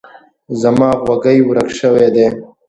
زما غوږۍ ورک شوی ده.